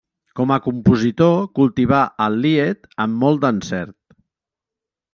Com a compositor cultivà el lied amb molt d'encert.